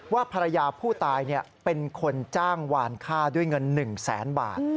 ว่าภรรยาผู้ตายเป็นคนจ้างวานค่าด้วยเงิน๑แสนบาท